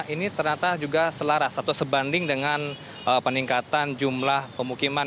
ini ternyata juga selaras atau sebanding dengan peningkatan jumlah pemukiman